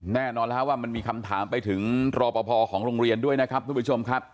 แน่นอนแล้วว่ามันมีคำถามไปถึงรอปภของโรงเรียนด้วยนะครับทุกผู้ชมครับ